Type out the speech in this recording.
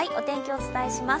お伝えします。